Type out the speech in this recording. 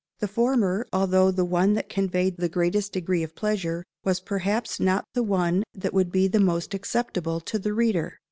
The former, although the one that conveyed the greatest degree of pleasure, was perhaps not the one that would be most acceptable to the reader.